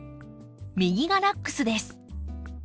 右がラックスです。